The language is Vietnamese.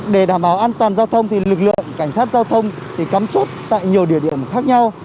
để đảm bảo an toàn giao thông thì lực lượng cảnh sát giao thông thì cắm chốt tại nhiều địa điểm khác nhau